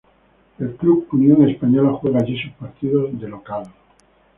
El club Unión Española juega allí sus partidos de local.